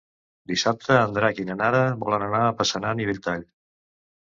Dissabte en Drac i na Nara volen anar a Passanant i Belltall.